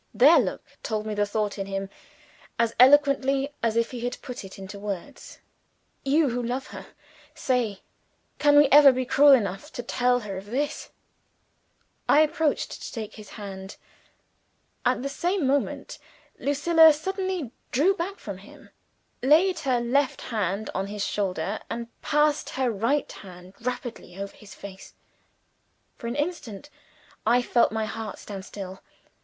Their look told me the thought in him, as eloquently as if he had put it into words. "You, who love her, say can we ever be cruel enough to tell her of this?" I approached to take his hand. At the same moment, Lucilla suddenly drew back from him, laid her left hand on his shoulder, and passed her right hand rapidly over his face. For an instant I felt my heart stand still.